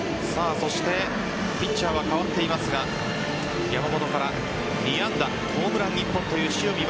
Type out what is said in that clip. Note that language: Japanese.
そしてピッチャーは代わっていますが山本から２安打ホームラン１本という塩見。